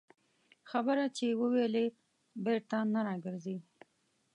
خبره چې ووېلې، بېرته نه راګرځي